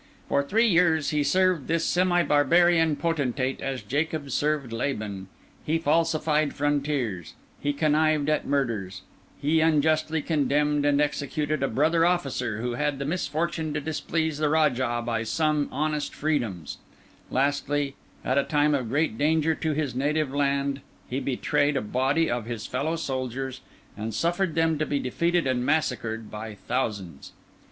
For three years he served this semi barbarian potentate as Jacob served Laban; he falsified frontiers, he connived at murders, he unjustly condemned and executed a brother officer who had the misfortune to displease the Rajah by some honest freedoms; lastly, at a time of great danger to his native land, he betrayed a body of his fellow soldiers, and suffered them to be defeated and massacred by thousands.